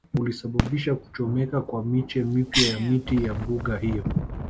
Ulisababisha kuchomeka kwa miche mipya ya miti ya mbuga hiyo